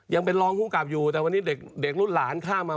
ยังเป็นรองภูมิกับอยู่แต่วันนี้เด็กรุ่นหลานข้ามมา